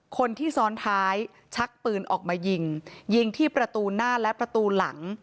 คนที่ซ้อนท้ายชักปืนออกมายิงยิงที่ประตูหน้าและประตูหลัง